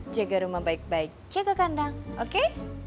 jaga rumah baik baik jaga kandang oke